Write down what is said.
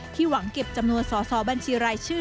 หวังเก็บจำนวนสอสอบัญชีรายชื่อ